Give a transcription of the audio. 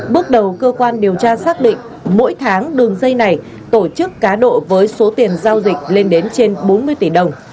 bước đầu cơ quan điều tra xác định mỗi tháng đường dây này tổ chức cá độ với số tiền giao dịch lên đến trên bốn mươi tỷ đồng